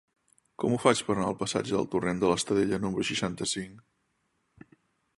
Com ho faig per anar al passatge del Torrent de l'Estadella número seixanta-cinc?